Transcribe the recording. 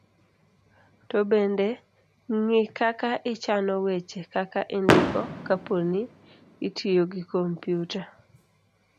to bende ng'i kaka ichano wecheni, kaka indiko kapo ni itiyo gi kompyuta